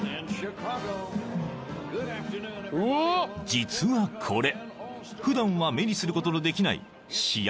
［実はこれ普段は目にすることのできない試合